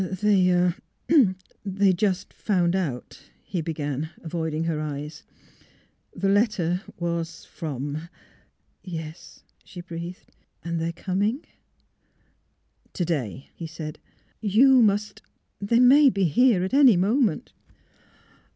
" They — er — just found out," he began, avoid ing her eyes. '' The letter was from "" Yes? " she breathed. '^ And — they are com ing 1 "'' To day, '' he said. *' You must — They may be here at any moment."